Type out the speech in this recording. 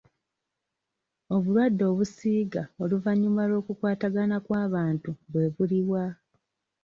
Obulwadde obusiiga oluvannyuma lw'okukwatagana kw'abantu bwe buli wa?